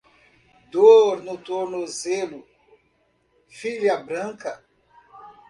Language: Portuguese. Dor no tornozelo, filha branca.